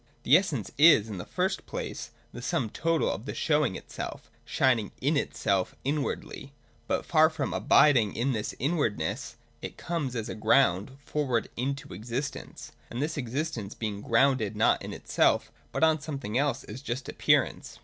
The essence is, in the first place, the sum total of the show ing itself, shining in itself (inwardly) ; but, far from abiding in this inwardness, it comes as a ground forward into existence ; and this existence being grounded not in itself, but on something else, is just appearance.